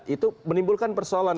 itu menimbulkan persoalan